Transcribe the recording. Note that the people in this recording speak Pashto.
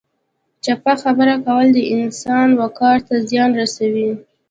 چپه خبره کول د انسان وقار ته زیان رسوي.